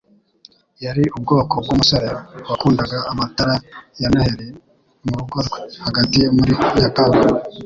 Yari ubwoko bwumusore wakundaga amatara ya Noheri murugo rwe hagati muri Nyakanga.